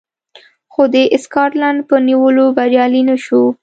خو د سکاټلنډ په نیولو بریالی نه شو